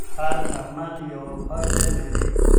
هر عمل یوه پایله لري.